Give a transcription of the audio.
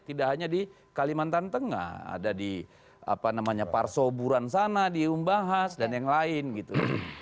tidak hanya di kalimantan tengah ada di apa namanya parsoburan sana di umbahas dan yang lain gitu